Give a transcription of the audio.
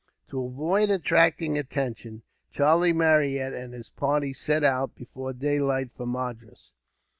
To avoid attracting attention, Charlie Marryat and his party set out before daylight from Madras.